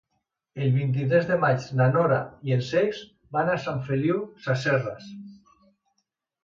El vint-i-tres de maig na Nora i en Cesc van a Sant Feliu Sasserra.